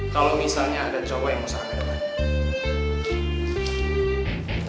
kalo misalnya ada cowok yang mau sama ke depannya